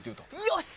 よし！